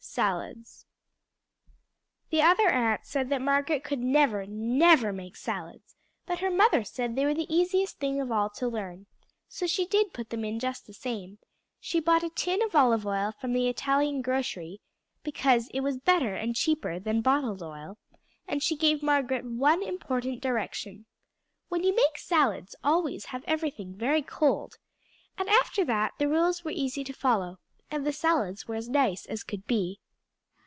SALADS The Other Aunt said Margaret could never, never make salads, but her mother said they were the easiest thing of all to learn, so she did put them in just the same; she bought a tin of olive oil from the Italian grocery, because it was better and cheaper than bottled oil, and she gave Margaret one important direction, ``When you make salads, always have everything very cold,'' and after that the rules were easy to follow, and the salads were as nice as could be.